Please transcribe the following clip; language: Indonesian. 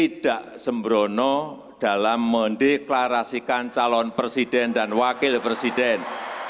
tidak sembrono dalam mendeklarasikan calon presiden dan wakil presiden dua ribu dua puluh empat